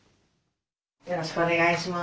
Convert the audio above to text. よろしくお願いします。